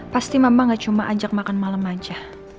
pasti mama gak cuma ajak makan malam aja